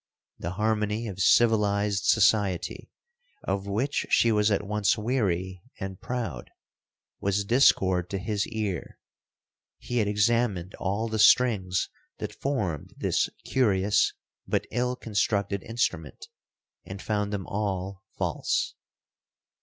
The harmony of civilized society, of which she was at once weary and proud, was discord to his ear. He had examined all the strings that formed this curious but ill constructed instrument, and found them all false.